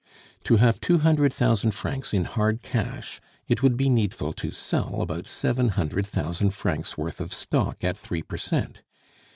To have two hundred thousand francs in hard cash it would be needful to sell about seven hundred thousand francs' worth of stock at three per cent.